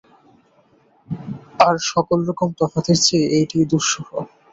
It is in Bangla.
আর সকল রকম তফাতের চেয়ে এইটেই দুঃসহ।